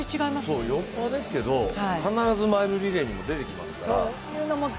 この人、必ずマイルリレーにも出てきますから。